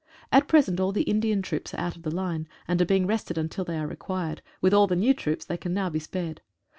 At present all the Indian troops are out of the line, and are being rested until they are required, with all the new troops they can now be spared.